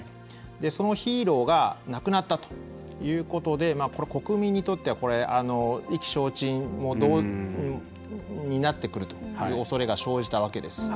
そのヒーローが亡くなったということでこれは国民にとっては意気消沈になってくるというおそれが生じたわけです。